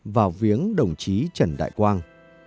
vào viếng đồng chí trần đại quang